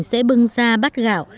sẽ bưng ra bát gạo